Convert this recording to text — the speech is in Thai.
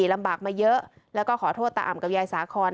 ลำบากมาเยอะแล้วก็ขอโทษตาอ่ำกับยายสาคอน